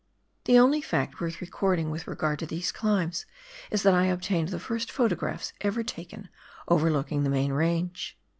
The only fact worth recording with regard to these climbs is that I obtained the first photographs ever taken overlooking the main range.